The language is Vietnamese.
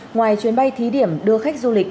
ngoài chuyến bay thí điểm đưa khách du lịch